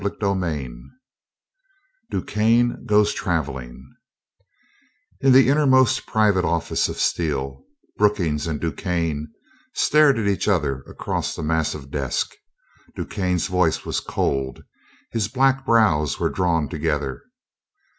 CHAPTER I DuQuesne Goes Traveling In the innermost private office of Steel, Brookings and DuQuesne stared at each other across the massive desk. DuQuesne's voice was cold, his black brows were drawn together.